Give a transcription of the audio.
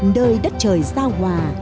nơi đất trời giao hòa